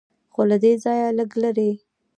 خو له دې ځایه لږ لرې.